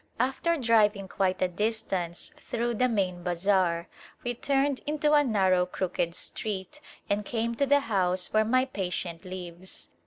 After driving quite a distance through the main bazar we turned into a narrow crooked street and came to the house where my patient lives.